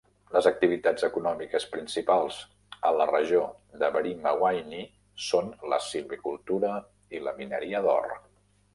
Les activitats econòmiques principals a la regió de Barima-Waini són la silvicultura i la mineria d'or.